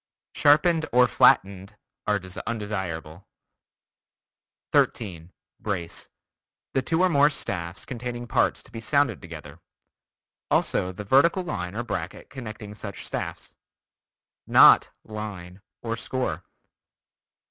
"Sharpened" or "flattened" are undesirable. 13. Brace: The two or more staffs containing parts to be sounded together; also the vertical line or bracket connecting such staffs. Not "line" or "score."